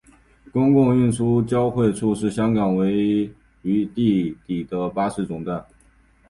公共运输交汇处是香港唯一位于地底的巴士总站。